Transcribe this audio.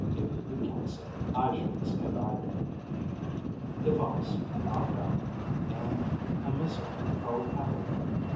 If you can't say it, I shouldn't say it either.) device knocked out and a missile hurled at it.